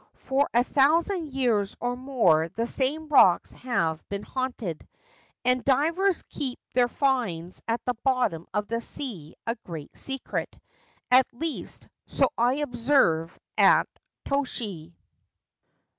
For a thousand years or more the same rocks have been haunted. And divers keep their finds at the bottom of the sea a great secret — at least, so I observe at Toshi.